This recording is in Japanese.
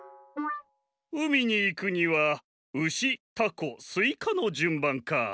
うみにいくにはウシタコスイカのじゅんばんか。